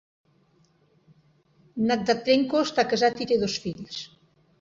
Nazdratenko està casat i té dos fills.